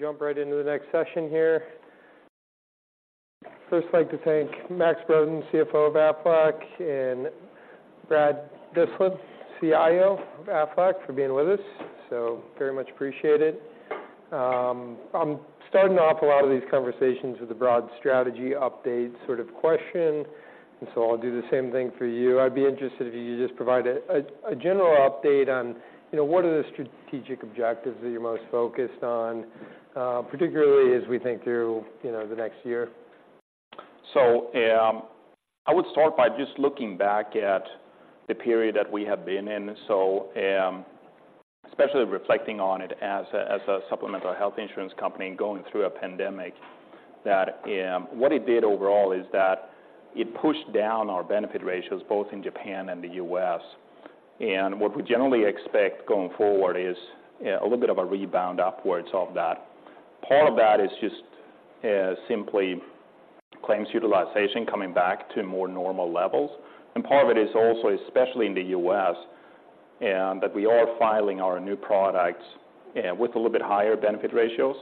We will jump right into the next session here. First, I'd like to thank Max Brodén, CFO of Aflac, and Brad Dyslin, CIO of Aflac, for being with us. So very much appreciated. I'm starting off a lot of these conversations with a broad strategy update sort of question, and so I'll do the same thing for you. I'd be interested if you could just provide a general update on, you know, what are the strategic objectives that you're most focused on, particularly as we think through, you know, the next year? I would start by just looking back at the period that we have been in. Especially reflecting on it as a supplemental health insurance company and going through a pandemic, what it did overall is that it pushed down our benefit ratios, both in Japan and the U.S. What we generally expect going forward is a little bit of a rebound upwards of that. Part of that is just simply claims utilization coming back to more normal levels, and part of it is also, especially in the U.S., that we are filing our new products with a little bit higher benefit ratios.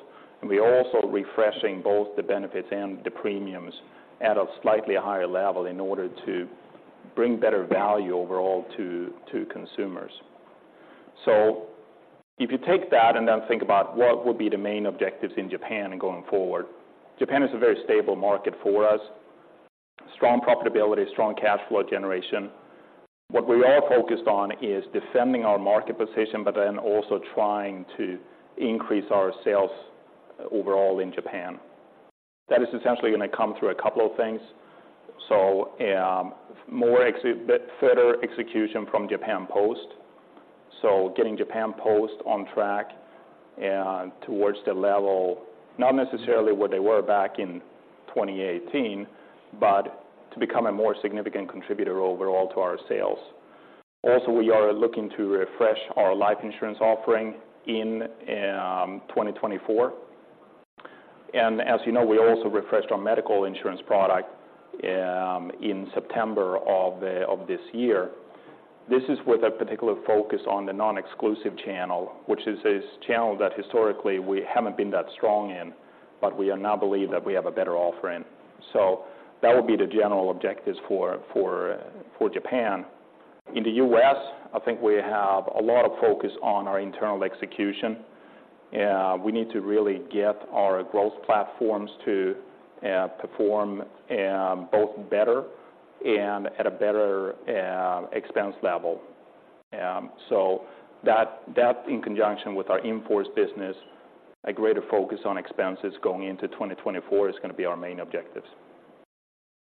We are also refreshing both the benefits and the premiums at a slightly higher level in order to bring better value overall to consumers. So if you take that and then think about what will be the main objectives in Japan going forward, Japan is a very stable market for us. Strong profitability, strong cash flow generation. What we are focused on is defending our market position, but then also trying to increase our sales overall in Japan. That is essentially going to come through a couple of things. So, a bit further execution from Japan Post. So getting Japan Post on track towards the level, not necessarily what they were back in 2018, but to become a more significant contributor overall to our sales. Also, we are looking to refresh our life insurance offering in 2024. And as you know, we also refreshed our medical insurance product in September of this year. This is with a particular focus on the non-exclusive channel, which is a channel that historically we haven't been that strong in, but we are now believe that we have a better offering. So that would be the general objectives for Japan. In the U.S., I think we have a lot of focus on our internal execution. We need to really get our growth platforms to perform both better and at a better expense level. So that in conjunction with our in-force business, a greater focus on expenses going into 2024 is going to be our main objectives.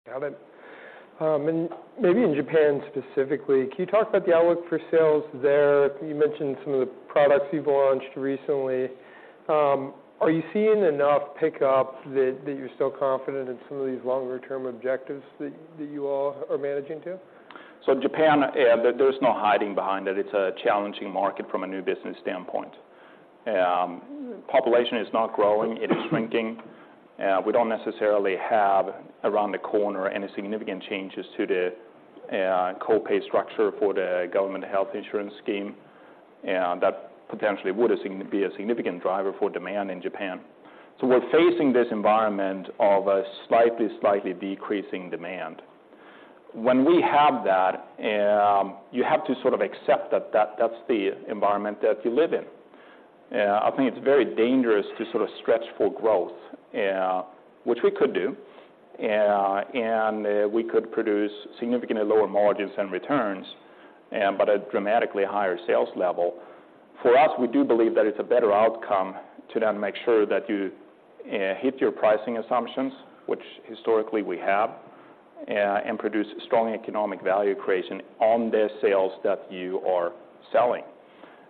Got it. Maybe in Japan specifically, can you talk about the outlook for sales there? You mentioned some of the products you've launched recently. Are you seeing enough pickup that you're still confident in some of these longer-term objectives that you all are managing to? So in Japan, there's no hiding behind it. It's a challenging market from a new business standpoint. Population is not growing. It is shrinking. We don't necessarily have, around the corner, any significant changes to the co-pay structure for the government health insurance scheme, and that potentially would be a significant driver for demand in Japan. So we're facing this environment of a slightly decreasing demand. When we have that, you have to sort of accept that that's the environment that you live in. I think it's very dangerous to sort of stretch for growth, which we could do, and we could produce significantly lower margins and returns, but a dramatically higher sales level. For us, we do believe that it's a better outcome to then make sure that you hit your pricing assumptions, which historically we have, and produce strong economic value creation on the sales that you are selling.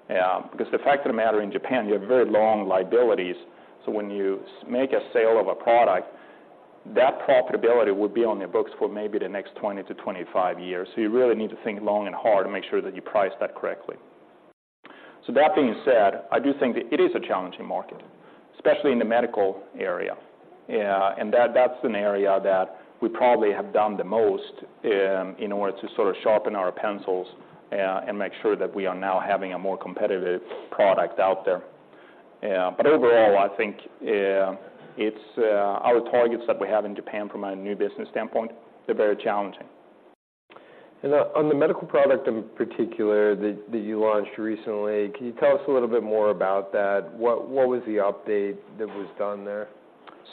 Because the fact of the matter, in Japan, you have very long liabilities, so when you make a sale of a product, that profitability will be on your books for maybe the next 20-25 years. So you really need to think long and hard to make sure that you price that correctly. So that being said, I do think that it is a challenging market, especially in the medical area. And that's an area that we probably have done the most in order to sort of sharpen our pencils and make sure that we are now having a more competitive product out there. But overall, I think it's our targets that we have in Japan from a new business standpoint. They're very challenging. On the medical product in particular that you launched recently, can you tell us a little bit more about that? What was the update that was done there?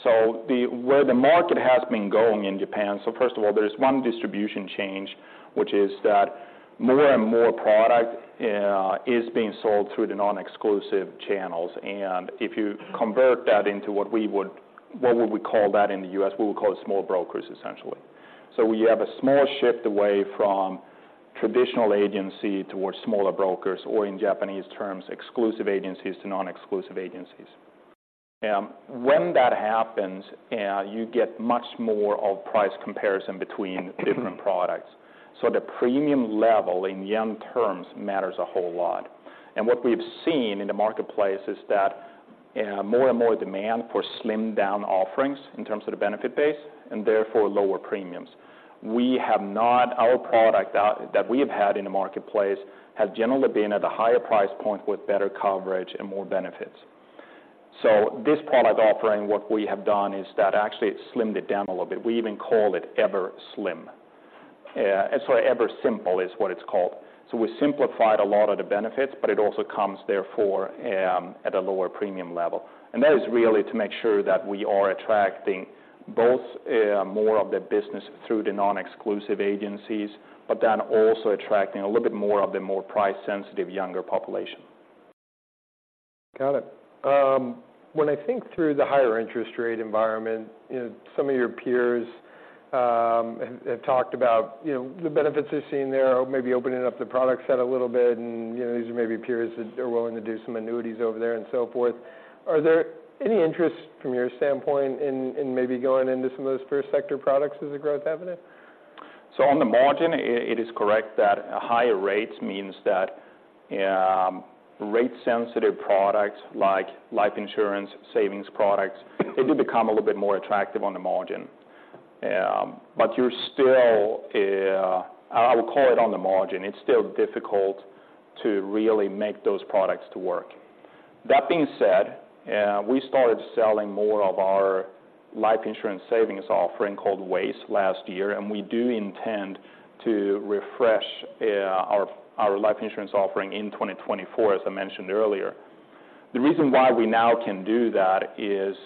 So, where the market has been going in Japan, so first of all, there is one distribution change, which is that more and more product is being sold through the non-exclusive channels. And if you convert that into what we would call that in the U.S.? We would call it small brokers, essentially. So we have a small shift away from traditional agency towards smaller brokers, or in Japanese terms, exclusive agencies to non-exclusive agencies. When that happens, you get much more of price comparison between different products. So the premium level in yen terms matters a whole lot. And what we've seen in the marketplace is that, more and more demand for slimmed-down offerings in terms of the benefit base, and therefore lower premiums. We have not—Our product that we have had in the marketplace has generally been at a higher price point with better coverage and more benefits. So this product offering, what we have done is that actually it slimmed it down a little bit. We even call it EVER Slim. Sorry, EVER Simple is what it's called. So we simplified a lot of the benefits, but it also comes therefore at a lower premium level. And that is really to make sure that we are attracting both more of the business through the non-exclusive agencies, but then also attracting a little bit more of the more price-sensitive younger population. Got it. When I think through the higher interest rate environment, you know, some of your peers have talked about, you know, the benefits they're seeing there, or maybe opening up the product set a little bit. You know, these are maybe peers that are willing to do some annuities over there and so forth. Are there any interests from your standpoint in maybe going into some of those First Sector products as a growth avenue? So on the margin, it is correct that higher rates means that rate-sensitive products like life insurance, savings products, they do become a little bit more attractive on the margin. But you're still, I would call it, on the margin. It's still difficult to really make those products to work. That being said, we started selling more of our life insurance savings offering, called WAYS, last year, and we do intend to refresh our life insurance offering in 2024, as I mentioned earlier. The reason why we now can do that is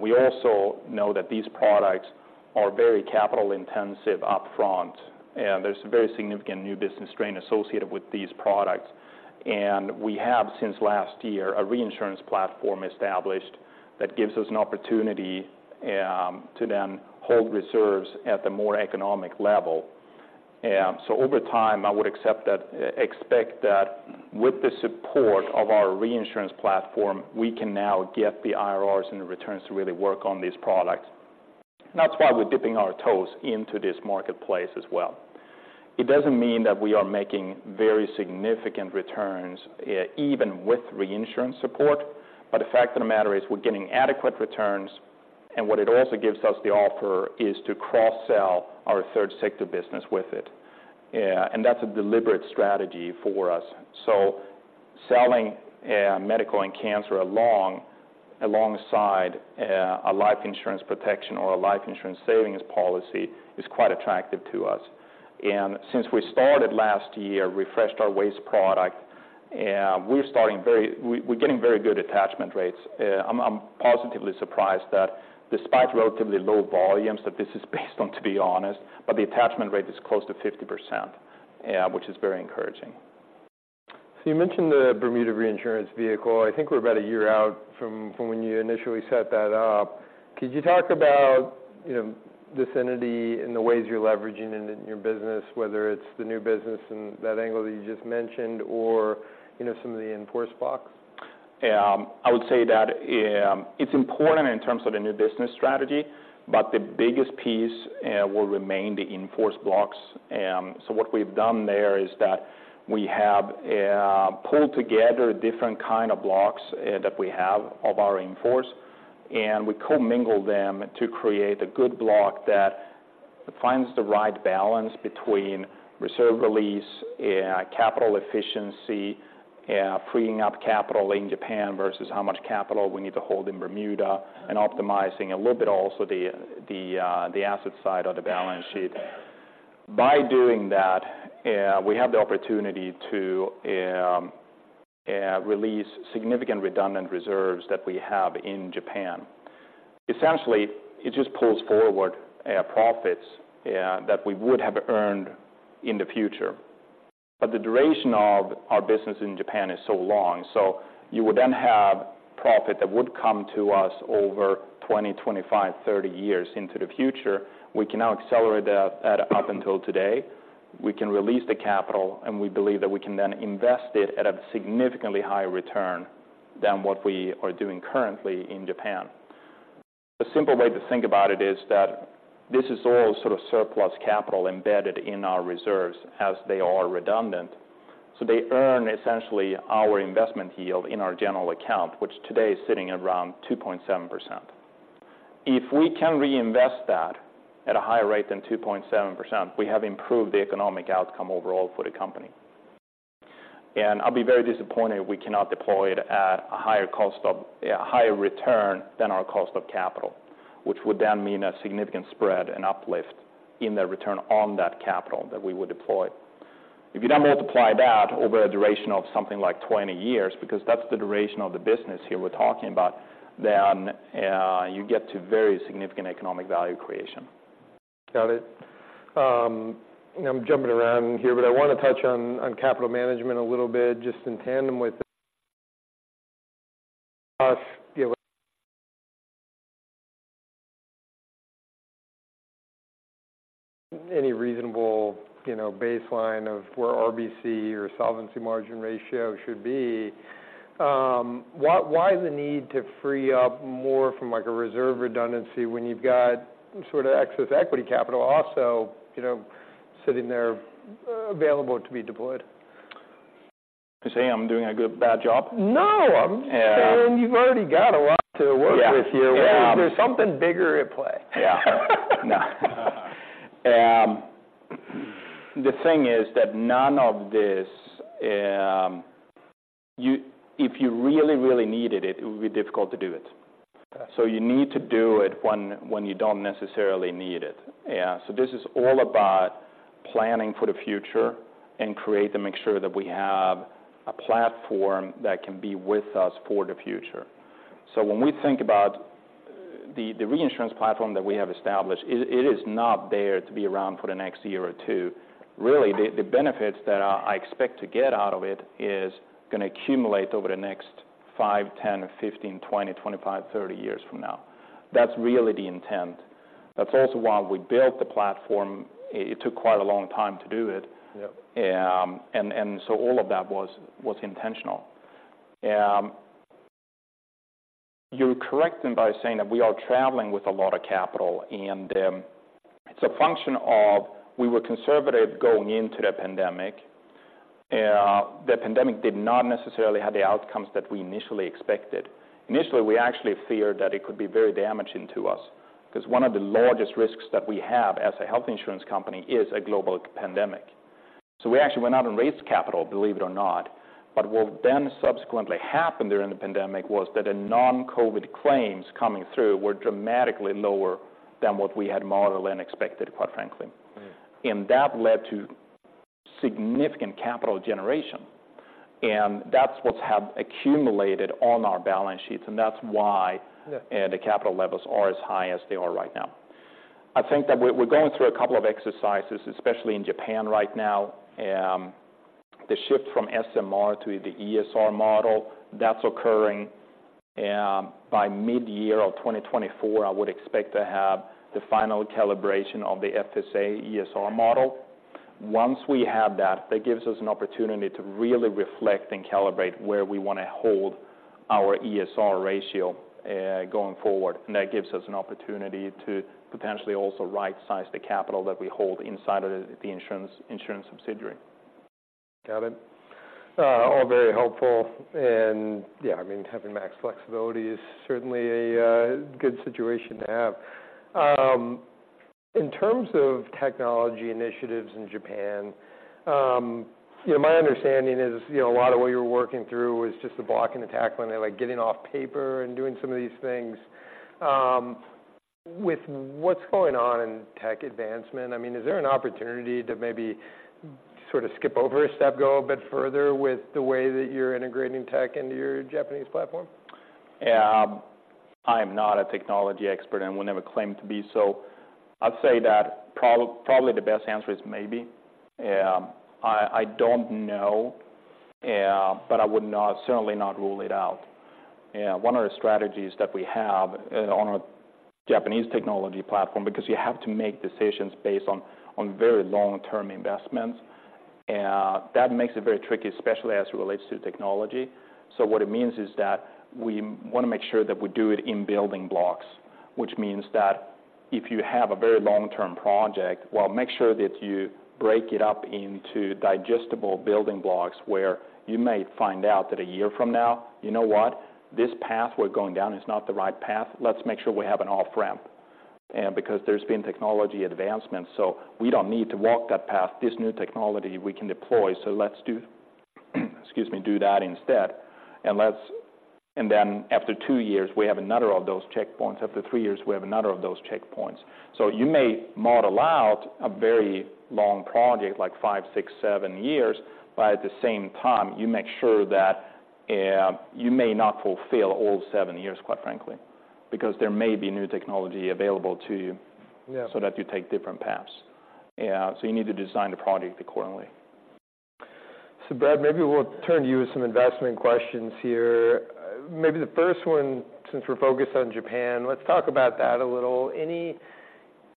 we also know that these products are very capital-intensive upfront, and there's a very significant new business strain associated with these products. And we have, since last year, a reinsurance platform established that gives us an opportunity to then hold reserves at the more economic level. So over time, I would expect that with the support of our reinsurance platform, we can now get the IRRs and the returns to really work on these products. That's why we're dipping our toes into this marketplace as well. It doesn't mean that we are making very significant returns, even with reinsurance support, but the fact of the matter is we're getting adequate returns, and what it also gives us the offer is to cross-sell our Third Sector business with it. And that's a deliberate strategy for us. So selling medical and cancer alongside a life insurance protection or a life insurance savings policy is quite attractive to us. And since we started last year, refreshed our WAYS product, we're getting very good attachment rates. I'm positively surprised that despite relatively low volumes, that this is based on, to be honest, but the attachment rate is close to 50%, which is very encouraging. So you mentioned the Bermuda reinsurance vehicle. I think we're about a year out from when you initially set that up. Could you talk about, you know, this entity and the ways you're leveraging it in your business, whether it's the new business and that angle that you just mentioned, or, you know, some of the in-force blocks? I would say that it's important in terms of the new business strategy, but the biggest piece will remain the in-force blocks. So what we've done there is that we have pulled together different kind of blocks that we have of our in-force, and we commingle them to create a good block that finds the right balance between reserve release, capital efficiency, freeing up capital in Japan versus how much capital we need to hold in Bermuda, and optimizing a little bit also the asset side of the balance sheet. By doing that, we have the opportunity to release significant redundant reserves that we have in Japan. Essentially, it just pulls forward profits that we would have earned in the future. But the duration of our business in Japan is so long, so you would then have profit that would come to us over 20, 25, 30 years into the future. We can now accelerate that up until today. We can release the capital, and we believe that we can then invest it at a significantly higher return than what we are doing currently in Japan. The simple way to think about it is that this is all sort of surplus capital embedded in our reserves as they are redundant, so they earn essentially our investment yield in our general account, which today is sitting around 2.7%. If we can reinvest that at a higher rate than 2.7%, we have improved the economic outcome overall for the company. And I'll be very disappointed if we cannot deploy it at a higher cost of... a higher return than our cost of capital, which would then mean a significant spread and uplift in the return on that capital that we would deploy. If you then multiply that over a duration of something like 20 years, because that's the duration of the business here we're talking about, then, you get to very significant economic value creation. Got it. I'm jumping around here, but I want to touch on capital management a little bit, just in tandem with the U.S., you know... any reasonable, you know, baseline of where RBC or solvency margin ratio should be. Why, why the need to free up more from, like, a reserve redundancy when you've got sort of excess equity capital also, you know, sitting there available to be deployed? You're saying I'm doing a good- bad job? No, I'm- Yeah. saying you've already got a lot to work with here. Yeah, um- There's something bigger at play. Yeah. No. The thing is that none of this, if you really, really needed it, it would be difficult to do it. Yeah. So you need to do it when you don't necessarily need it. Yeah, so this is all about planning for the future and create to make sure that we have a platform that can be with us for the future. So when we think about the reinsurance platform that we have established, it is not there to be around for the next year or two. Really, the benefits that I expect to get out of it is gonna accumulate over the next 5, 10, or 15, 20, 25, 30 years from now. That's really the intent. That's also why we built the platform. It took quite a long time to do it. Yep. And so all of that was intentional. You're correct in saying that we are traveling with a lot of capital, and it's a function of we were conservative going into the pandemic. The pandemic did not necessarily have the outcomes that we initially expected. Initially, we actually feared that it could be very damaging to us, 'cause one of the largest risks that we have as a health insurance company is a global pandemic. So we actually went out and raised capital, believe it or not. But what then subsequently happened during the pandemic was that the non-COVID claims coming through were dramatically lower than what we had modeled and expected, quite frankly. That led to significant capital generation, and that's what's have accumulated on our balance sheets, and that's why- Yeah... the capital levels are as high as they are right now. I think that we're going through a couple of exercises, especially in Japan right now. The shift from SMR to the ESR model, that's occurring. By midyear of 2024, I would expect to have the final calibration of the FSA ESR model. Once we have that, that gives us an opportunity to really reflect and calibrate where we want to hold our ESR ratio, going forward, and that gives us an opportunity to potentially also rightsize the capital that we hold inside of the insurance subsidiary. Got it. All very helpful, and, yeah, I mean, having max flexibility is certainly a good situation to have. In terms of technology initiatives in Japan, you know, my understanding is, you know, a lot of what you're working through is just the blocking and tackling, and, like, getting off paper and doing some of these things. With what's going on in tech advancement, I mean, is there an opportunity to maybe sort of skip over a step, go a bit further with the way that you're integrating tech into your Japanese platform? Yeah. I'm not a technology expert, and would never claim to be, so I'd say that probably the best answer is maybe. I don't know, but I would not, certainly not rule it out. One of the strategies that we have on our Japanese technology platform, because you have to make decisions based on very long-term investments, that makes it very tricky, especially as it relates to technology. So what it means is that we want to make sure that we do it in building blocks, which means that if you have a very long-term project, well, make sure that you break it up into digestible building blocks, where you may find out that a year from now, you know what? This path we're going down is not the right path. Let's make sure we have an off-ramp, because there's been technology advancements, so we don't need to walk that path. This new technology we can deploy, so let's do, excuse me, do that instead. And then after two years, we have another of those checkpoints. After three years, we have another of those checkpoints. So you may model out a very long project, like five, six, seven years, but at the same time, you make sure that, you may not fulfill all seven years, quite frankly, because there may be new technology available to you- Yeah... so that you take different paths. Yeah, so you need to design the project accordingly. So, Brad, maybe we'll turn to you with some investment questions here. Maybe the first one, since we're focused on Japan, let's talk about that a little. Any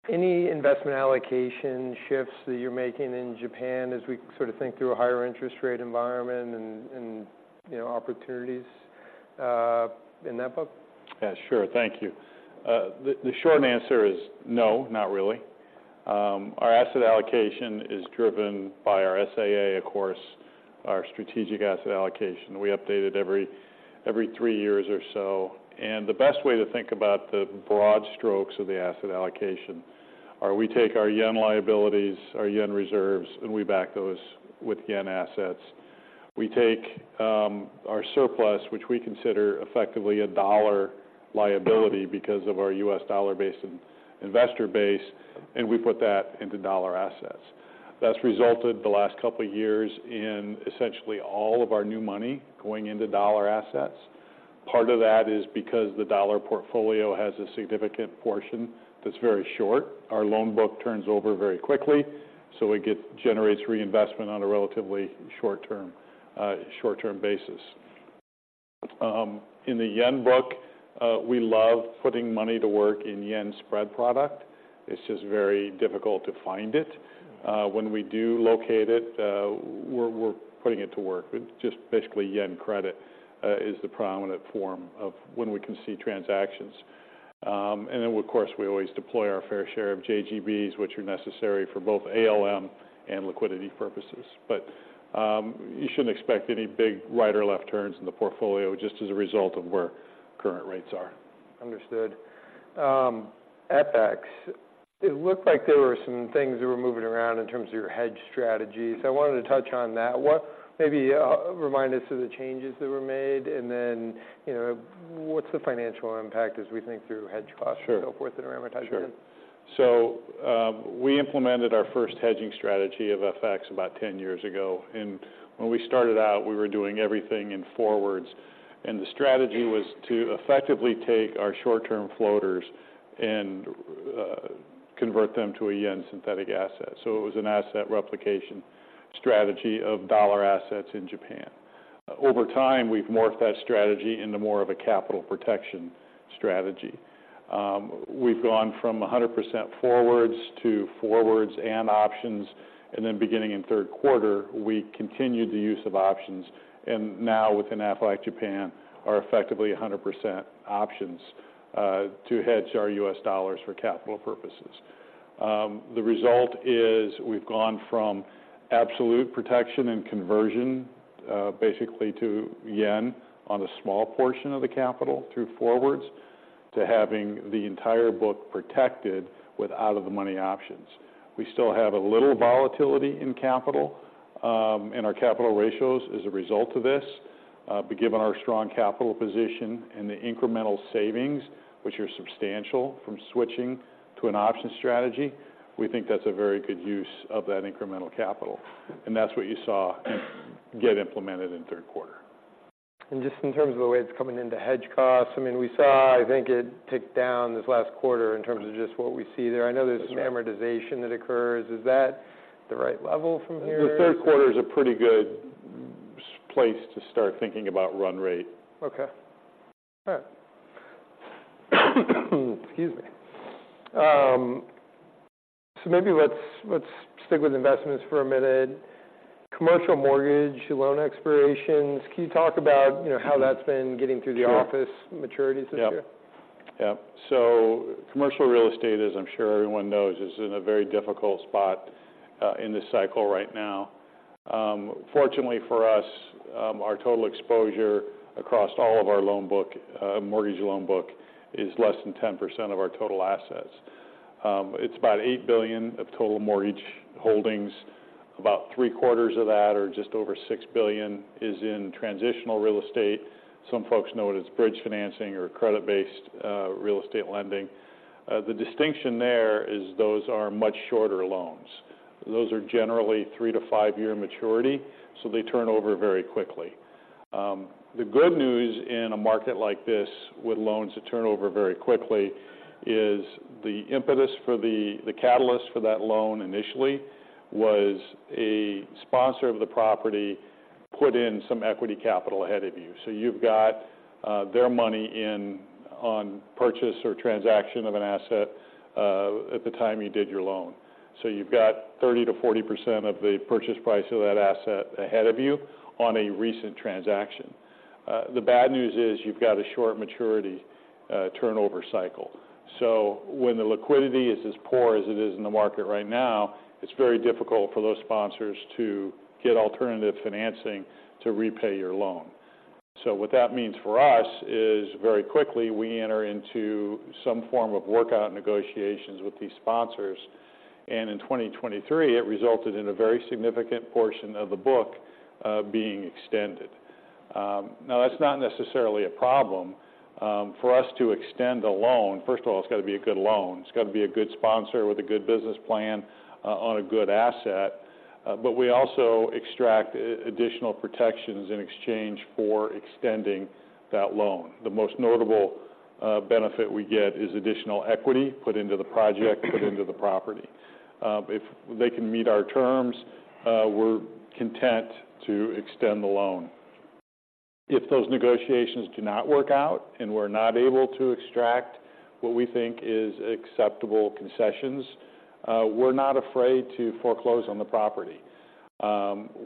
investment allocation shifts that you're making in Japan as we sort of think through a higher interest rate environment and, you know, opportunities in that book? Yeah, sure. Thank you. The short answer is no, not really. Our asset allocation is driven by our SAA, of course, our strategic asset allocation. We update it every three years or so. And the best way to think about the broad strokes of the asset allocation are, we take our yen liabilities, our yen reserves, and we back those with yen assets. We take our surplus, which we consider effectively a dollar liability because of our U.S. dollar base and investor base, and we put that into dollar assets. That's resulted the last couple years in essentially all of our new money going into dollar assets. Part of that is because the dollar portfolio has a significant portion that's very short. Our loan book turns over very quickly, so it generates reinvestment on a relatively short-term basis. In the yen book, we love putting money to work in yen spread product. It's just very difficult to find it. When we do locate it, we're putting it to work. But just basically, yen credit is the prominent form of when we can see transactions. And then, of course, we always deploy our fair share of JGBs, which are necessary for both ALM and liquidity purposes. But you shouldn't expect any big right or left turns in the portfolio, just as a result of where current rates are. Understood... FX, it looked like there were some things that were moving around in terms of your hedge strategy. I wanted to touch on that. Maybe, remind us of the changes that were made, and then, you know, what's the financial impact as we think through hedge costs? Sure -and so forth, and amortization? Sure. So, we implemented our first hedging strategy of FX about 10 years ago, and when we started out, we were doing everything in forwards. And the strategy was to effectively take our short-term floaters and convert them to a yen synthetic asset. So it was an asset replication strategy of dollar assets in Japan. Over time, we've morphed that strategy into more of a capital protection strategy. We've gone from 100% forwards, to forwards and options, and then beginning in third quarter, we continued the use of options, and now within Aflac Japan, are effectively 100% options to hedge our U.S. dollars for capital purposes. The result is we've gone from absolute protection and conversion, basically to yen on a small portion of the capital through forwards, to having the entire book protected with out-of-the-money options. We still have a little volatility in capital, in our capital ratios as a result of this. But given our strong capital position and the incremental savings, which are substantial, from switching to an option strategy, we think that's a very good use of that incremental capital, and that's what you saw, get implemented in third quarter. Just in terms of the way it's coming into hedge costs, I mean, we saw, I think it ticked down this last quarter in terms of just what we see there. That's right. I know there's some amortization that occurs. Is that the right level from here? The third quarter is a pretty good place to start thinking about run rate. Okay. All right. Excuse me. So maybe let's, let's stick with investments for a minute. Commercial mortgage loan expirations, can you talk about, you know, how that's been getting through the office- Sure -maturities this year? Yep. Yep. So commercial real estate, as I'm sure everyone knows, is in a very difficult spot in this cycle right now. Fortunately for us, our total exposure across all of our loan book, mortgage loan book, is less than 10% of our total assets. It's about $8 billion of total mortgage holdings. About three-quarters of that, or just over $6 billion, is in transitional real estate. Some folks know it as bridge financing or credit-based real estate lending. The distinction there is those are much shorter loans. Those are generally 3- to 5-year maturity, so they turn over very quickly. The good news in a market like this, with loans that turn over very quickly, is the impetus for the catalyst for that loan initially, was a sponsor of the property, put in some equity capital ahead of you. So you've got their money in on purchase or transaction of an asset at the time you did your loan. So you've got 30%-40% of the purchase price of that asset ahead of you on a recent transaction. The bad news is, you've got a short maturity turnover cycle. So when the liquidity is as poor as it is in the market right now, it's very difficult for those sponsors to get alternative financing to repay your loan. So what that means for us is, very quickly, we enter into some form of workout negotiations with these sponsors, and in 2023, it resulted in a very significant portion of the book being extended. Now, that's not necessarily a problem for us to extend a loan. First of all, it's got to be a good loan. It's got to be a good sponsor with a good business plan on a good asset. But we also extract additional protections in exchange for extending that loan. The most notable benefit we get is additional equity put into the project, put into the property. If they can meet our terms, we're content to extend the loan. If those negotiations do not work out and we're not able to extract what we think is acceptable concessions, we're not afraid to foreclose on the property.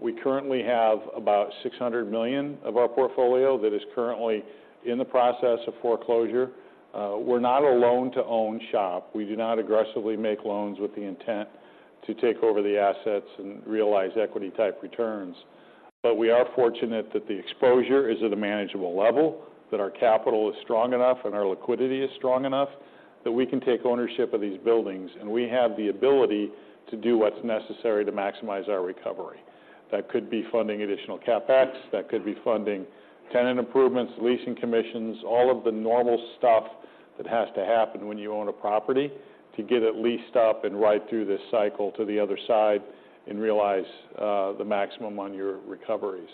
We currently have about $600 million of our portfolio that is currently in the process of foreclosure. We're not a loan-to-own shop. We do not aggressively make loans with the intent to take over the assets and realize equity-type returns. But we are fortunate that the exposure is at a manageable level, that our capital is strong enough, and our liquidity is strong enough, that we can take ownership of these buildings, and we have the ability to do what's necessary to maximize our recovery. That could be funding additional CapEx, that could be funding tenant improvements, leasing commissions, all of the normal stuff that has to happen when you own a property to get it leased up and right through this cycle to the other side, and realize the maximum on your recoveries.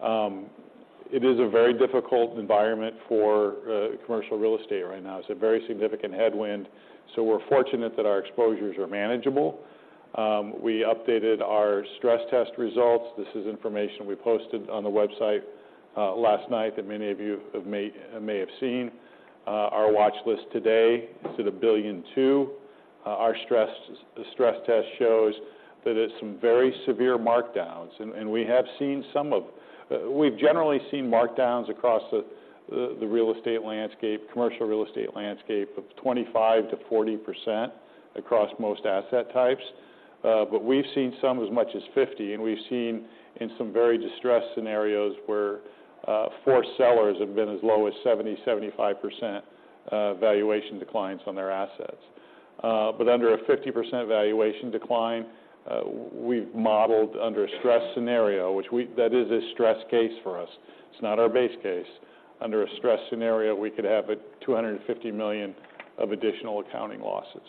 It is a very difficult environment for commercial real estate right now. It's a very significant headwind, so we're fortunate that our exposures are manageable. We updated our stress test results. This is information we posted on the website last night that many of you may have seen. Our watch list today is at $1.2 billion. Our stress test shows that it's some very severe markdowns, and we've generally seen markdowns across the real estate landscape, commercial real estate landscape, of 25%-40% across most asset types.... but we've seen some as much as 50, and we've seen in some very distressed scenarios where, forced sellers have been as low as 70-75% valuation declines on their assets. But under a 50% valuation decline, we've modeled under a stress scenario, that is a stress case for us. It's not our base case. Under a stress scenario, we could have $250 million of additional accounting losses.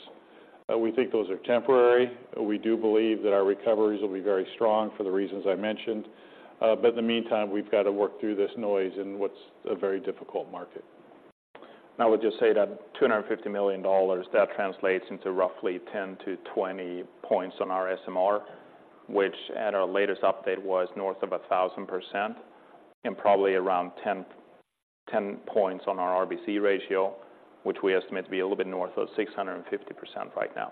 We think those are temporary. We do believe that our recoveries will be very strong for the reasons I mentioned. But in the meantime, we've got to work through this noise in what's a very difficult market. I would just say that $250 million, that translates into roughly 10-20 points on our SMR, which at our latest update, was north of 1,000%, and probably around 10, 10 points on our RBC ratio, which we estimate to be a little bit north of 650% right now.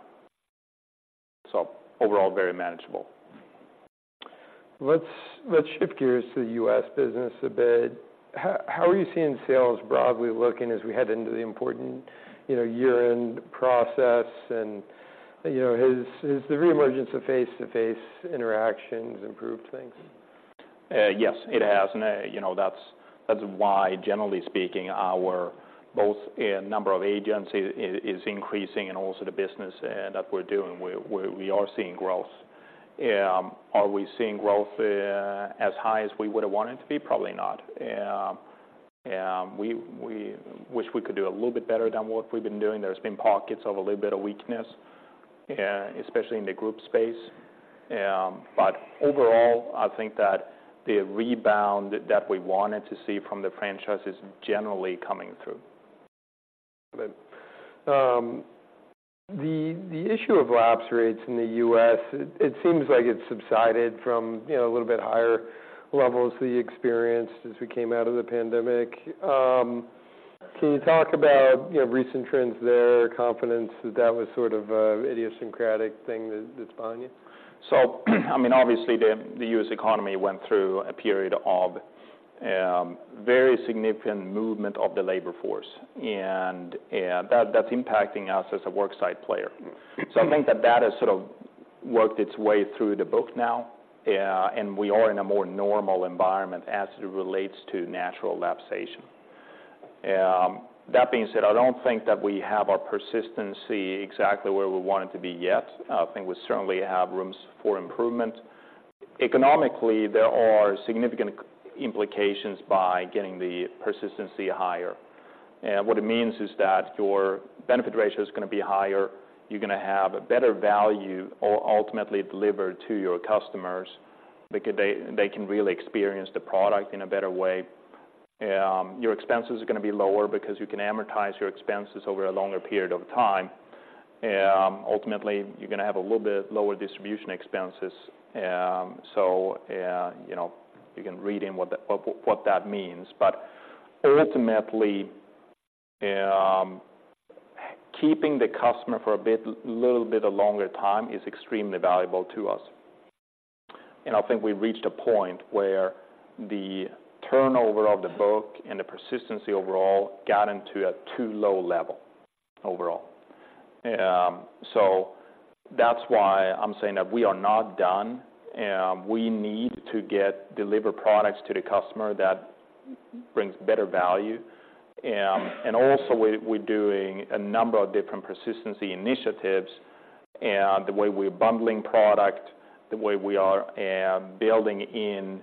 So overall, very manageable. Let's shift gears to the U.S. business a bit. How are you seeing sales broadly looking as we head into the important, you know, year-end process? And, you know, has the reemergence of face-to-face interactions improved things? Yes, it has. And, you know, that's why, generally speaking, our both in number of agents is increasing and also the business that we're doing, we are seeing growth. Are we seeing growth as high as we would have wanted to be? Probably not. We wish we could do a little bit better than what we've been doing. There's been pockets of a little bit of weakness, especially in the group space. But overall, I think that the rebound that we wanted to see from the franchise is generally coming through. Good. The issue of lapse rates in the U.S., it seems like it's subsided from, you know, a little bit higher levels that you experienced as we came out of the pandemic. Can you talk about, you know, recent trends there, confidence that that was sort of a idiosyncratic thing that- that's behind you? So, I mean, obviously, the U.S. economy went through a period of very significant movement of the labor force, and that's impacting us as a worksite player. So I think that has sort of worked its way through the book now, and we are in a more normal environment as it relates to natural lapsation. That being said, I don't think that we have our persistency exactly where we want it to be yet. I think we certainly have rooms for improvement. Economically, there are significant implications by getting the persistency higher. What it means is that your benefit ratio is gonna be higher, you're gonna have a better value ultimately delivered to your customers because they, they can really experience the product in a better way. Your expenses are gonna be lower because you can amortize your expenses over a longer period of time. Ultimately, you're gonna have a little bit lower distribution expenses. So, you know, you can read in what that means. But ultimately, keeping the customer for a little bit longer time is extremely valuable to us. And I think we've reached a point where the turnover of the book and the persistency overall got into a too low level overall. So that's why I'm saying that we are not done, we need to deliver products to the customer that brings better value. And also, we're doing a number of different persistency initiatives, and the way we're bundling product, the way we are building in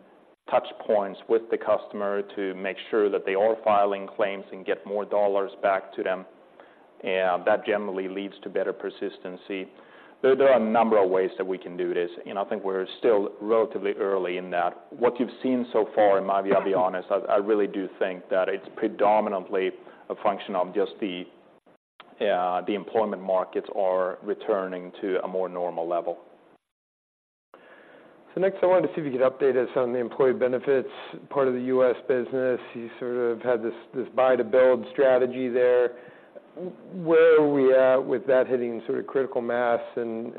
touch points with the customer to make sure that they are filing claims and get more dollars back to them, that generally leads to better persistency. There are a number of ways that we can do this, and I think we're still relatively early in that. What you've seen so far, in my view, I'll be honest, I really do think that it's predominantly a function of just the employment markets are returning to a more normal level. So next, I wanted to see if you could update us on the employee benefits part of the U.S. business. You sort of had this, this buy-to-build strategy there. Where are we at with that hitting sort of critical mass and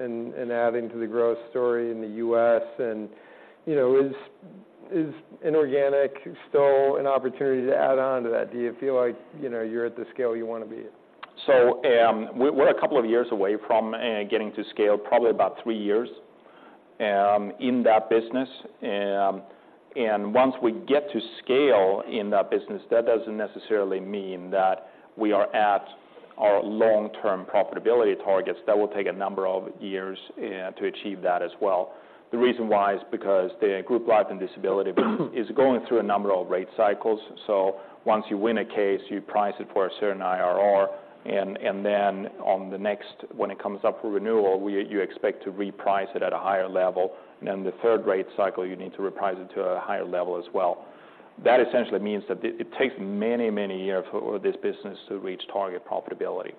adding to the growth story in the U.S.? And, you know, is inorganic still an opportunity to add on to that? Do you feel like, you know, you're at the scale you want to be at? So, we're a couple of years away from getting to scale, probably about three years in that business. And once we get to scale in that business, that doesn't necessarily mean that we are at our long-term profitability targets. That will take a number of years to achieve that as well. The reason why is because the group life and disability business is going through a number of rate cycles. So once you win a case, you price it for a certain IRR, and then on the next, when it comes up for renewal, you expect to reprice it at a higher level, and then the third rate cycle, you need to reprice it to a higher level as well. That essentially means that it takes many, many years for this business to reach target profitability.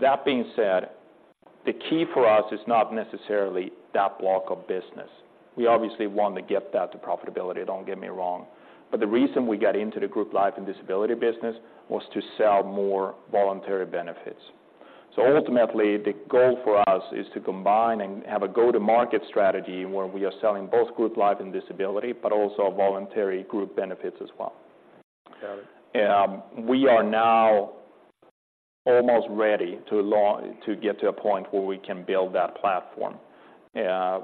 That being said, the key for us is not necessarily that block of business. We obviously want to get that to profitability, don't get me wrong, but the reason we got into the group life and disability business was to sell more voluntary benefits. So ultimately, the goal for us is to combine and have a go-to-market strategy, where we are selling both group life and disability, but also voluntary group benefits as well. We are now almost ready to get to a point where we can build that platform,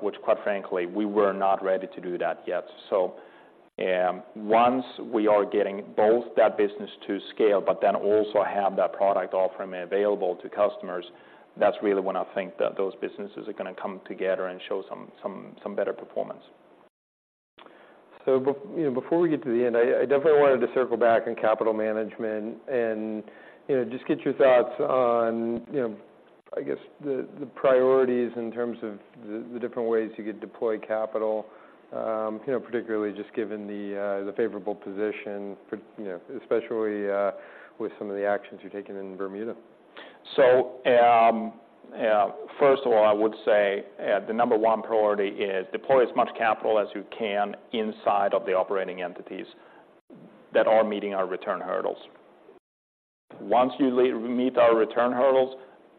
which quite frankly, we were not ready to do that yet. So, once we are getting both that business to scale, but then also have that product offering available to customers, that's really when I think that those businesses are gonna come together and show some better performance. So you know, before we get to the end, I definitely wanted to circle back on capital management and, you know, just get your thoughts on, you know, I guess, the priorities in terms of the different ways you could deploy capital. You know, particularly just given the favorable position for, you know, especially, with some of the actions you're taking in Bermuda. So, first of all, I would say, the number one priority is deploy as much capital as you can inside of the operating entities that are meeting our return hurdles. Once you meet our return hurdles,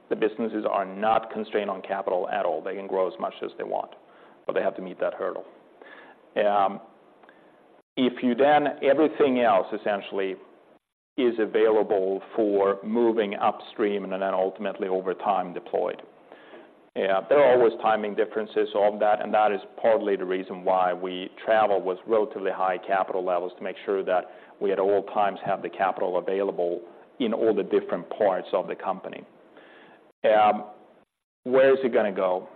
the businesses are not constrained on capital at all. They can grow as much as they want, but they have to meet that hurdle. If then everything else essentially is available for moving upstream and then ultimately, over time, deployed. Yeah, there are always timing differences of that, and that is partly the reason why we travel with relatively high capital levels to make sure that we, at all times, have the capital available in all the different parts of the company. Where is it gonna go?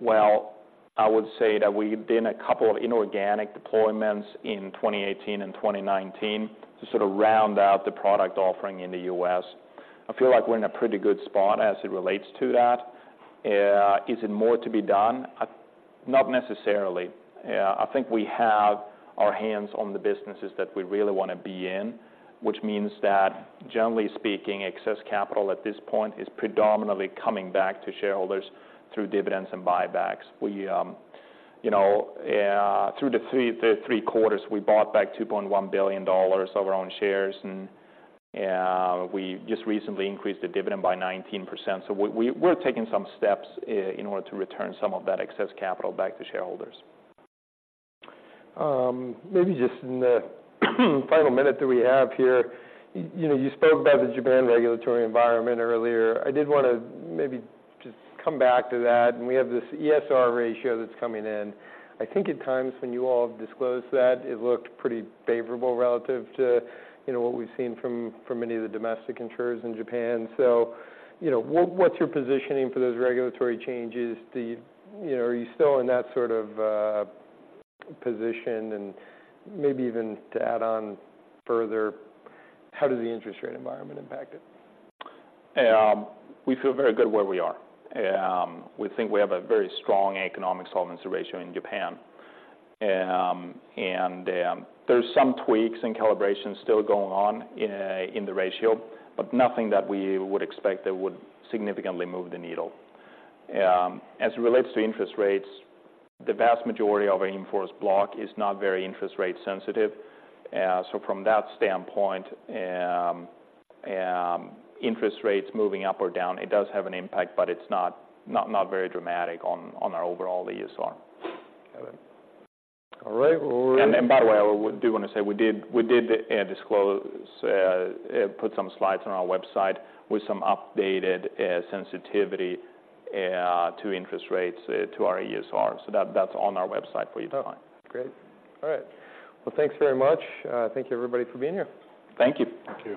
Well, I would say that we did a couple of inorganic deployments in 2018 and 2019 to sort of round out the product offering in the U.S. I feel like we're in a pretty good spot as it relates to that. Is it more to be done? Not necessarily. I think we have our hands on the businesses that we really want to be in, which means that generally speaking, excess capital at this point is predominantly coming back to shareholders through dividends and buybacks. We, you know, through the three quarters, we bought back $2.1 billion of our own shares, and we just recently increased the dividend by 19%. So we're taking some steps in order to return some of that excess capital back to shareholders. Maybe just in the final minute that we have here, you know, you spoke about the Japan regulatory environment earlier. I did want to maybe just come back to that. We have this ESR ratio that's coming in. I think at times when you all have disclosed that, it looked pretty favorable relative to, you know, what we've seen from, from many of the domestic insurers in Japan. So, you know, what's your positioning for those regulatory changes? Do you... You know, are you still in that sort of position? And maybe even to add on further, how does the interest rate environment impact it? We feel very good where we are. We think we have a very strong Economic Solvency Ratio in Japan. There's some tweaks and calibrations still going on in the ratio, but nothing that we would expect that would significantly move the needle. As it relates to interest rates, the vast majority of our in-force block is not very interest rate sensitive. From that standpoint, interest rates moving up or down, it does have an impact, but it's not very dramatic on our overall ESR. Got it. All right, well- By the way, I do wanna say we did disclose, put some slides on our website with some updated sensitivity to interest rates to our ESR. So that's on our website for you to find. Great. All right. Well, thanks very much. Thank you, everybody, for being here. Thank you. Thank you.